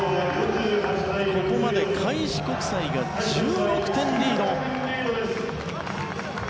ここまで開志国際が１６点リード。